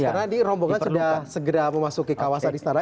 karena ini rombongan sudah segera memasuki kawasan istana